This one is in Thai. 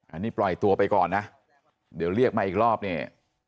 อันนี้ปล่อยตัวไปก่อนนะเดี๋ยวเรียกมาอีกรอบเนี่ย